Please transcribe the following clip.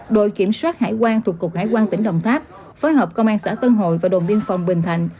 đội kiểm soát hải quan thuộc cục hải quan tỉnh đồng tháp phối hợp công an xã tân hội và đồn biên phòng bình thạnh